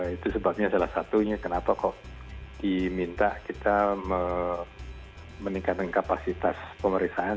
itu sebabnya salah satunya kenapa kok diminta kita meningkatkan kapasitas pemeriksaan